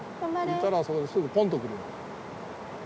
いたらそこですぐポンと来るよ。